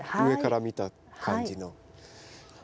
上から見た感じの。